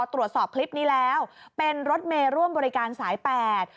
ตรวจสอบคลิปนี้แล้วเป็นรถเมย์ร่วมบริการสายแปด